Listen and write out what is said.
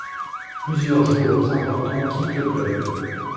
Plusieurs joueurs importants quittent le club.